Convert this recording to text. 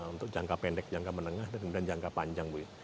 untuk jangka pendek jangka menengah dan kemudian jangka panjang bu ya